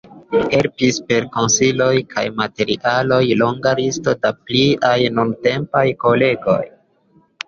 Helpis per konsiloj kaj materialoj longa listo da pliaj nuntempaj kolegoj.